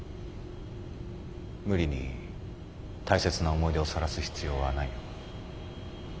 無理に大切な思い出をさらす必要はないよ。